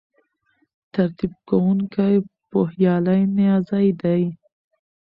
ترتیب کوونکی پوهیالی نیازی دی.